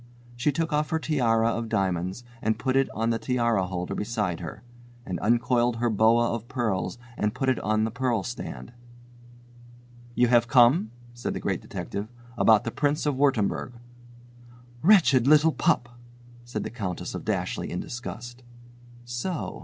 She took off her tiara of diamonds and put it on the tiara holder beside her and uncoiled her boa of pearls and put it on the pearl stand. "You have come," said the Great Detective, "about the Prince of Wurttemberg." "Wretched little pup!" said the Countess of Dashleigh in disgust. So!